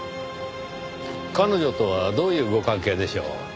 彼女とはどういうご関係でしょう？